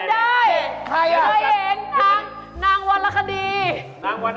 นี่แก้วน้ำมะหรอนึกว่าผีตาโขน